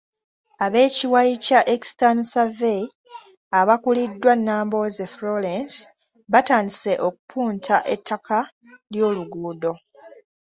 Ab’ekiwayi kya ‘External survey’ abakuliddwa Nambooze Florence batandise okupunta ettaka ly’oluguudo.